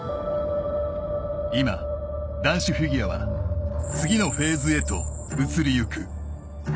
今、男子フィギュアは次のフェーズへと移りゆく。